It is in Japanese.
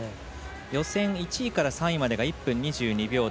予選１位から３位までが１分２２秒台。